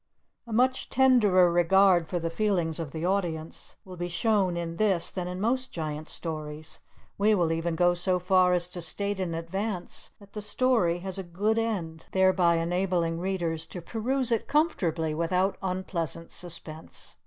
A much tenderer regard for the feelings of the audience will be shown in this than in most giant stories; we will even go so far as to state in advance, that the story has a good end, thereby enabling readers to peruse it comfortably without unpleasant suspense.